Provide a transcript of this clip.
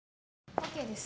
ＯＫです。